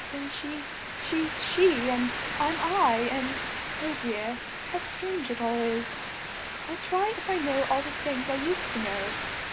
Then, she's she, and I'm I, and oh dear, how strange it all is! I'll try if I know all the things I used to know.